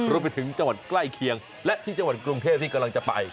รวมไปถึงจังหวัดใกล้เคียงและที่จังหวัดกรุงเทพที่กำลังจะไป